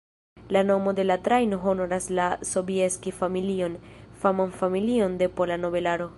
La nomo de la trajno honoras la Sobieski-familion, faman familion de pola nobelaro.